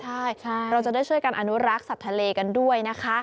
ใช่เราจะได้ช่วยกันอนุรักษ์สัตว์ทะเลกันด้วยนะคะ